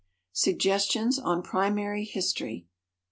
Suggestions on Primary History.